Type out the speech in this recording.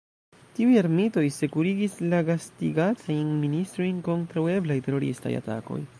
Tiuj armitoj sekurigis la gastigatajn ministrojn kontraŭ eblaj teroristaj atakoj!